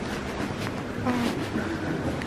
康熙三十二年病卒。